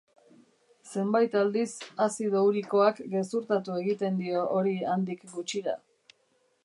Zenbait aldiz, azido urikoak gezurtatu egiten dio hori handik gutxira.